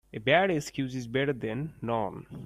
A bad excuse is better then none.